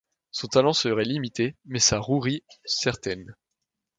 Son talent serait limité, mais sa rouerie certaine.